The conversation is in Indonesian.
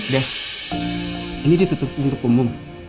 des ini ditutup untuk umum